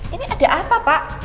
ini ada apa pak